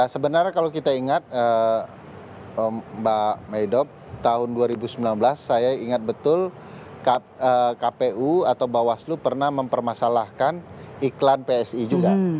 sebenarnya kalau kita ingat mbak maidop tahun dua ribu sembilan belas saya ingat betul kpu atau bawaslu pernah mempermasalahkan iklan psi juga